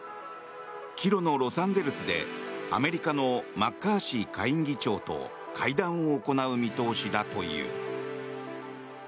帰路のロサンゼルスでアメリカのマッカーシー下院議長と会談を行う見通しだという。